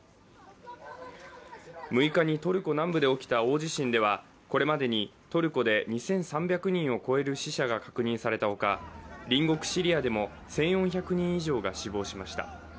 ６日にトルコ南部で起きた大地震ではこれまでにトルコで２３００人を超える死者が確認されたほか隣国シリアでも１４００人以上が死亡しました。